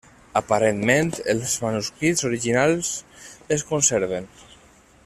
Aparentment els manuscrits originals es conserven: